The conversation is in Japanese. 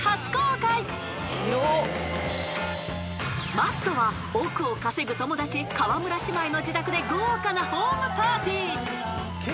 ［Ｍａｔｔは億を稼ぐ友達河村姉妹の自宅で豪華なホームパーティー］